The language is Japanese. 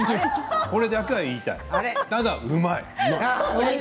これだけは言いたい。